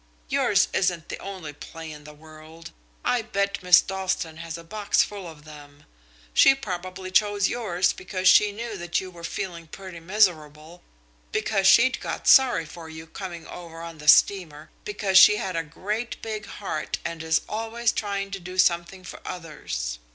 Yours isn't the only play in the world! I bet Miss Dalstan has a box full of them. She probably chose yours because she knew that you were feeling pretty miserable, because she'd got sorry for you coming over on the steamer, because she has a great big heart, and is always trying to do something for others.